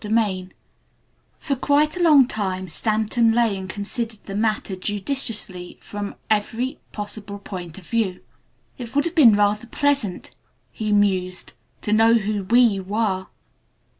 III For quite a long time Stanton lay and considered the matter judicially from every possible point of view. "It would have been rather pleasant," he mused "to know who 'we' were."